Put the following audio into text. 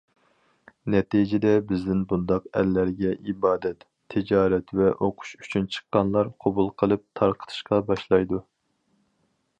نەتىجىدە بىزدىن بۇنداق ئەللەرگە ئىبادەت، تىجارەت ۋە ئوقۇش ئۈچۈن چىققانلار قوبۇل قىلىپ تارقىتىشقا باشلايدۇ.